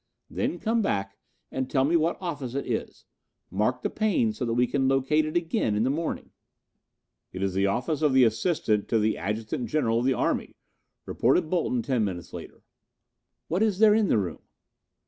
Then come back and tell me what office it is. Mark the pane so that we can locate it again in the morning." "It is the office of the Assistant to the Adjutant General of the Army," reported Bolton ten minutes later. "What is there in the room?"